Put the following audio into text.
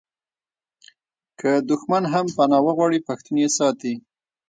که دښمن هم پنا وغواړي پښتون یې ساتي.